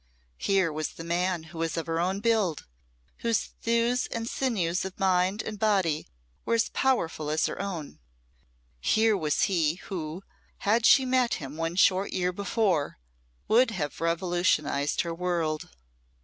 Here was the man who was of her own build, whose thews and sinews of mind and body was as powerful as her own here was he who, had she met him one short year before, would have revolutionised her world.